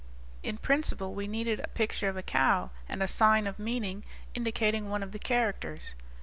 In principle, we needed a picture of a cow, and a sign of meaning indicating one of the characters.